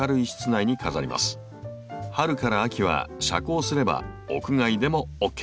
春から秋は遮光すれば屋外でもＯＫ。